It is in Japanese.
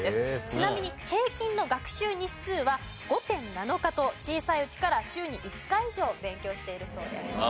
ちなみに平均の学習日数は５．７日と小さいうちから週に５日以上勉強しているそうです。